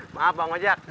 maaf bang wajab